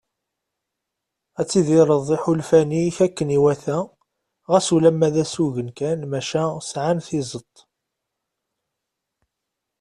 Ad tidireḍ iḥulfan-ik akken iwata ɣas ulamma d asugen kan maca sɛan tizeḍt.